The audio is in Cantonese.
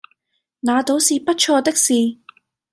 那倒是不錯的事